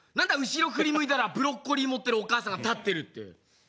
後ろ振り向いたらブロッコリー持ってるお母さんが立ってるって。